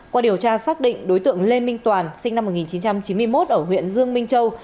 qua điều tra xác định đối tượng lê minh toàn sinh năm một nghìn chín trăm chín mươi một ở huyện dương minh châu